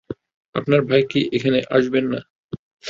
আপনার ভাই কি এখানে আসবেন না?